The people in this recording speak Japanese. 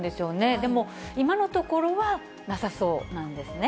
でも、今のところはなさそうなんですね。